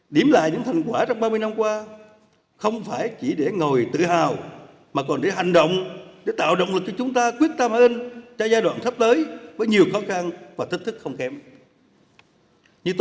điểm lại những thành quả trong ba mươi năm qua không phải chỉ để ngồi tự hào mà còn để hành động để tạo động lực cho chúng ta quyết tâm hơn cho giai đoạn sắp tới với nhiều khó khăn và thất thức không khém